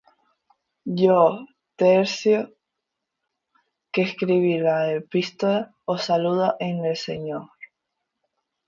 Yo Tercio, que escribí la epístola, os saludo en el Señor.